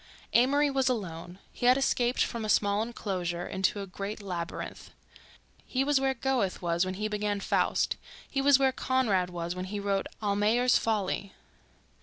Amory was alone—he had escaped from a small enclosure into a great labyrinth. He was where Goethe was when he began "Faust"; he was where Conrad was when he wrote "Almayer's Folly."